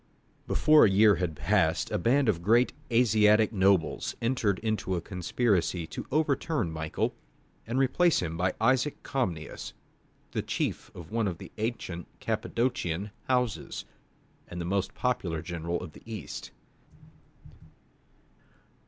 Before a year had passed a band of great Asiatic nobles entered into a conspiracy to overturn Michael, and replace him by Isaac Comnenus, the chief of one of the ancient Cappadocian houses, and the most popular general of the East.